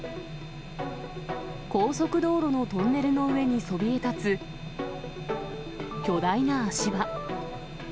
高速道路のトンネルの上にそびえ立つ巨大な足場。